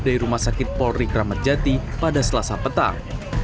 dari rumah sakit polri kramatjati pada selasa petang